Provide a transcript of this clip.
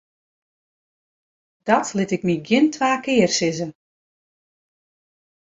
Dat liet ik my gjin twa kear sizze.